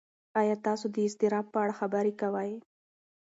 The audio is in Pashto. ایا تاسو د اضطراب په اړه خبرې کوئ؟